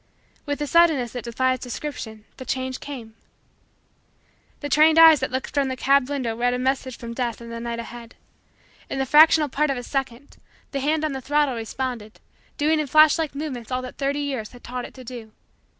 With a suddenness that defies description, the change came. The trained eyes that looked from the cab window read a message from Death in the night ahead. In the fractional part of a second, the hand on the throttle responded, doing in flash like movements all that the thirty years had taught it to do.